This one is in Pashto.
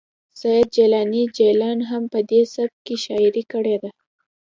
سید جیلاني جلان هم په دې سبک کې شاعري کړې ده